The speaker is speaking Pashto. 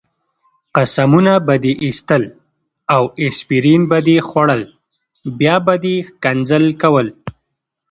قسمونه به دې اخیستل او اسپرین به دې خوړل، بیا به دې ښکنځل کول.